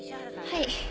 はい。